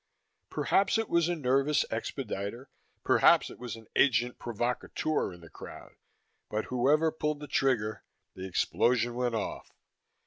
Perhaps it was a nervous expediter, perhaps it was an agent provocateur in the crowd. But, whoever pulled the trigger, the explosion went off.